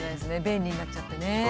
便利になっちゃってね。